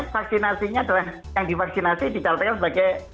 vaksinasinya adalah yang divaksinasi dicatatkan sebagai